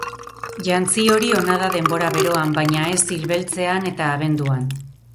Jantzi hori ona da denbora beroan baina ez ilbeltzean eta abenduan.